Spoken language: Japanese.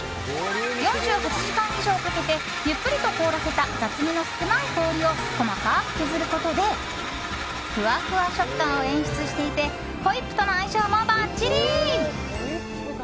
４８時間以上かけてゆっくりと凍らせた雑味の少ない氷を細かく削ることでふわふわ食感を演出していてホイップとの相性もばっちり！